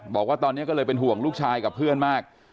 บอกว่าตอนนี้ก็เลยเป็นห่วงลูกชายกับเพื่อนมาก